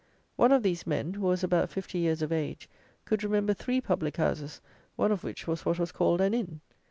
One of these men, who was about fifty years of age, could remember three public houses, one of which was what was called an inn!